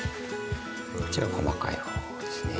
こちら細かい方ですね。